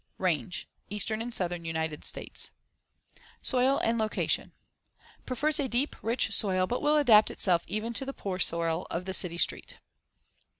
Range: Eastern and southern United States. Soil and location: Prefers a deep rich soil, but will adapt itself even to the poor soil of the city street.